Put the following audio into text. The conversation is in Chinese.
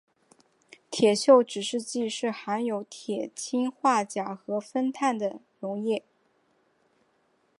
铁锈指示剂是含有铁氰化钾和酚酞的溶液。